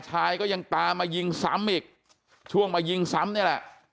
ชายก็ยังตามมายิงซ้ำอีกช่วงมายิงซ้ำนี่แหละ